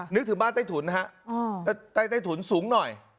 นึกถึงบ้านใต้ถุนฮะใต้ถุนสูงหน่อย